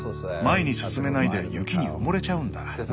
前に進めないで雪に埋もれちゃうんだ。